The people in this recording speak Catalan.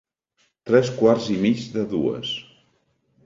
Tres quarts i mig de dues.